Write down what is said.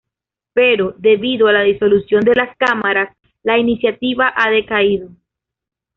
Pero, debido a la disolución de las Cámaras, la iniciativa ha decaído.